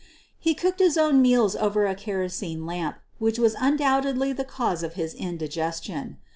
He cooked his own meals over a kero sene lamp, which was undoubtedly the cause of his indigestion.